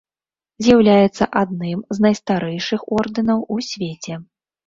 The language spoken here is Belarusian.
З'яўляецца адным з найстарэйшых ордэнаў у свеце.